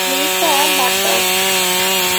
Luisa, বাদ দাও।